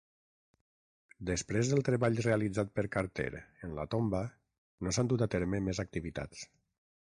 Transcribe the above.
Després del treball realitzat per Carter en la tomba, no s'han dut a terme més activitats.